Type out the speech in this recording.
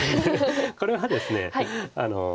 これはですね。